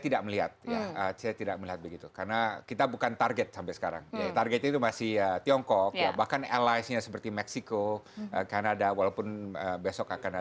demokrasi bagaimanapun kita